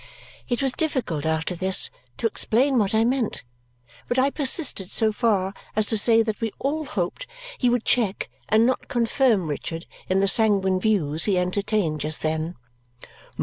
It was difficult, after this, to explain what I meant; but I persisted so far as to say that we all hoped he would check and not confirm Richard in the sanguine views he entertained just then.